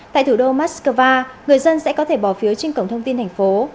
tại thủ đô moscow người dân sẽ có thể bỏ phiếu trên cổng thông tin thành phố